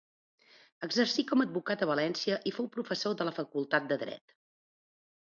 Exercí com advocat a València i fou professor de la Facultat de Dret.